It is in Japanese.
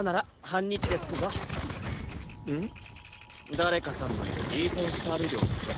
誰かさんのいるリーフェンシュタール領まで。